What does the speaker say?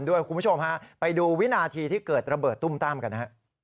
เดี๋ยวคุณผู้ชมไปดูวินาทีที่เกิดระเบิดตุ้มตั้มกัน